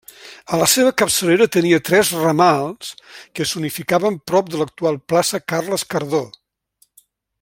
A la seva capçalera tenia tres ramals que s'unificaven prop de l'actual plaça Carles Cardó.